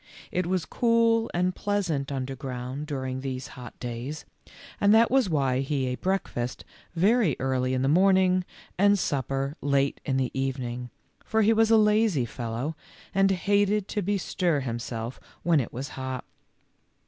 It was cool and pleasant underground during these hot days, and that was why he ate break fast very early in the morning and supper late in the evening, for he was a lazy fellow, and hated to bestir himself when it was hot.